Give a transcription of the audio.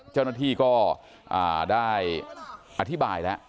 เจ้าหน้าที่ก็ได้อธิบายแล้ว